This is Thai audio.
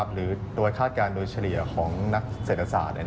หรือโดยคาดการณ์โดยเฉลี่ยของนักเศรษฐศาสตร์